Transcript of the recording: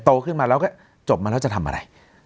โตขึ้นมาแล้วก็จบมาแล้วจะทำอะไร